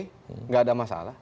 tidak ada masalah